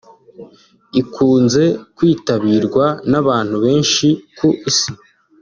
ikunze kwitabirwa n’abantu benshi ku Isi